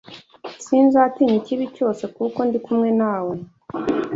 Sinzatinya ikibi cyose, kuko ndi kumwe na we